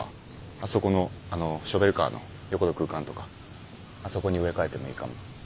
あそこのあのショベルカーの横の空間とかあそこに植え替えてもいいかも。